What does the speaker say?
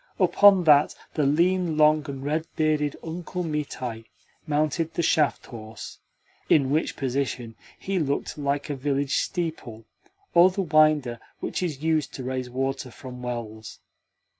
Upon that the lean, long, and red bearded Uncle Mitai mounted the shaft horse; in which position he looked like a village steeple or the winder which is used to raise water from wells.